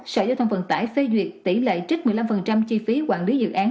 sở giao thông vận tải phê duyệt tỷ lệ trích một mươi năm chi phí quản lý dự án